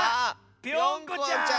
ぴょんこちゃん！